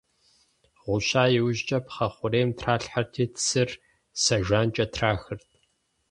Гъуща иужькӀэ, пхъэ хъурейм тралъхьэрти, цыр сэ жанкӀэ трахырт.